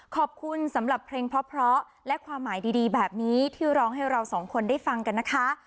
ขอบคุณสำหรับเพลงเพราะและความหมายดีแบบนี้ที่ร้องให้เราสองคนได้ฟังกันนะคะ